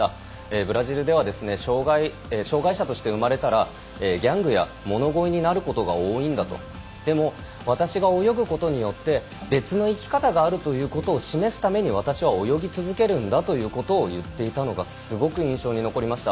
ブラジルでは障がい者として生まれたらギャングや物乞いになることが多いんだとでも私が泳ぐことによって別の生き方があるということを示すために私は泳ぎ続けるんだということを言っていたのがすごく印象に残りました。